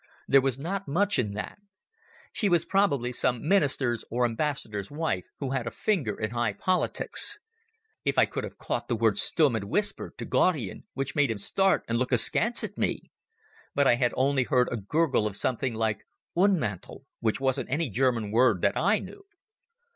There was not much in that. She was probably some minister's or ambassador's wife who had a finger in high politics. If I could have caught the word Stumm had whispered to Gaudian which made him start and look askance at me! But I had only heard a gurgle of something like "Ühnmantl", which wasn't any German word that I knew.